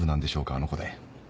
あの子で。